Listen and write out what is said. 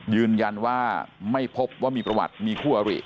ยืนยันว่าไม่พบว่ามีประวัติมีคู่อริ